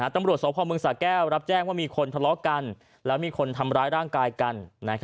ตำรวจสพเมืองสาแก้วรับแจ้งว่ามีคนทะเลาะกันแล้วมีคนทำร้ายร่างกายกัน